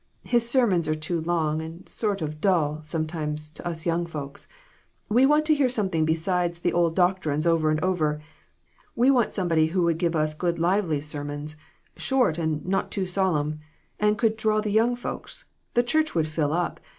His sermons are too long, and sort o' dull, sometimes, to us young folks. We want to hear something besides the old doctrines over and over. We want somebody who would give us good lively sermons short and not too solemn and could draw the young folks. The church would fill up.